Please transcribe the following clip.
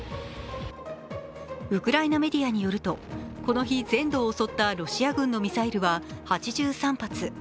ウクライナメディアによると、この日全土を襲ったロシア軍のミサイルは８３発。